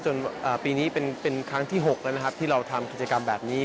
ปีนี้เป็นครั้งที่๖แล้วนะครับที่เราทำกิจกรรมแบบนี้